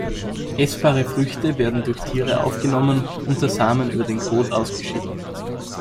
Essbare Früchte werden durch Tiere aufgenommen und der Samen über den Kot ausgeschieden.